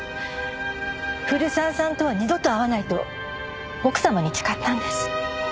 古澤さんとは二度と会わないと奥様に誓ったんです。